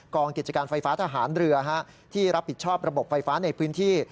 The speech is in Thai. กิจการไฟฟ้าทหารเรือที่รับผิดชอบระบบไฟฟ้าในพื้นที่